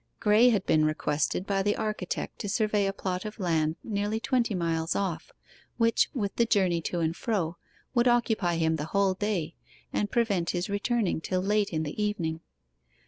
Graye had been requested by the architect to survey a plot of land nearly twenty miles off, which, with the journey to and fro, would occupy him the whole day, and prevent his returning till late in the evening.